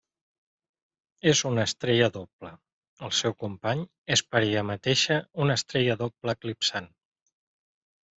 És una estrella doble, el seu company és per ella mateixa una estrella doble eclipsant.